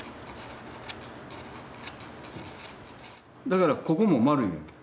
だからここも丸いんやけ。